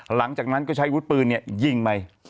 หลังจากนั้นก็ใช้อาวุธปืนเนี่ยยิงใหม่